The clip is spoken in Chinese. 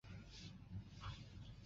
大盘䲟为䲟科大盘䲟属的鱼类。